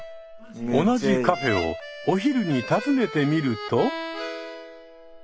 同じカフェをお昼に訪ねてみると。